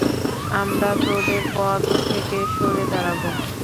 আমরা তোদের পথ থেকে সরে দাঁড়াবো।